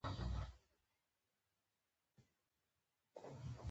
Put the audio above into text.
جګړه د تعلیم مخه نیسي